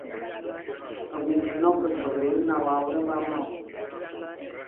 El vint-i-nou de febrer na Laura va a Maó.